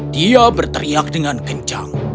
dia berteriak dengan kencang